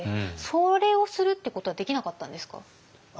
それをするってことはできなかったんですか？